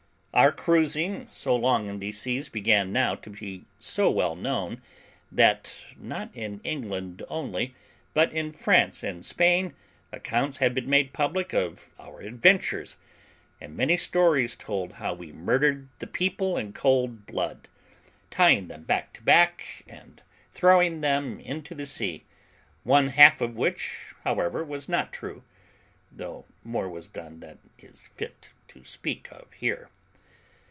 Our cruising so long in these seas began now to be so well known, that not in England only, but in France and Spain, accounts had been made public of our adventures, and many stories told how we murdered the people in cold blood, tying them back to back, and throwing them into the sea; one half of which, however, was not true, though more was done than is fit to speak of here.